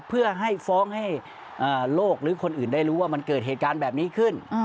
เพื่อให้ฟ้องให้โลกหรือคนอื่นได้รู้ว่ามันเกิดเหตุการณ์แบบนี้ขึ้น